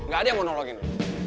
gak ada yang mau nologin lo